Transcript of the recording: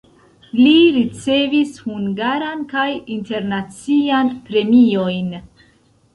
Li ricevis hungaran kaj internacian premiojn.